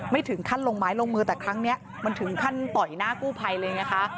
ไม่ถึงขั้นลงไม้ลงมือแต่ครั้งนี้มันถึงขั้นต่อยหน้ากู้ภัยเลยไงคะ